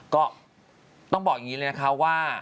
ก็ต้องบอกอย่างนี้เลยนะคะว่า